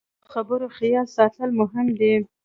د خبرو خیال ساتل مهم دي